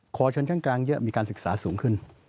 ขอชนชั้นกลางเยอะมีการศึกษาสูงขึ้น